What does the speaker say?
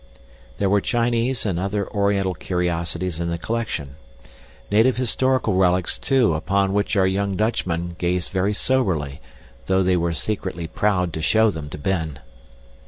There were Chinese and other Oriental curiosities in the collection. Native historical relics, too, upon which our young Dutchmen gazed very soberly, though they were secretly proud to show them to Ben.